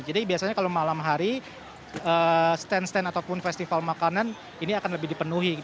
jadi biasanya kalau malam hari stand stand ataupun festival makanan ini akan lebih dipenuhi